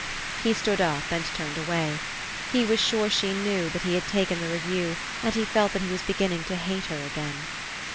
He stood up and turned away. He was sure she knew that he had taken the review and he felt that he was beginning to hate her again.